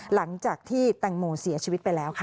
หลังจากที่แตงโมเสียชีวิตไปแล้วค่ะ